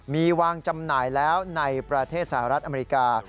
มีวางจำหน่ายแล้วในประเทศสหรัฐอเมริกา